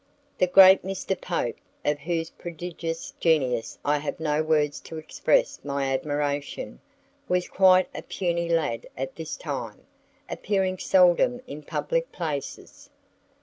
The great Mr. Pope (of whose prodigious genius I have no words to express my admiration) was quite a puny lad at this time, appearing seldom in public places.